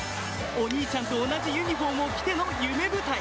お兄ちゃんと同じユニホームを着ての夢舞台。